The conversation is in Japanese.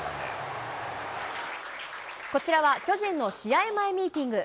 こちらは巨人の試合前ミーティング。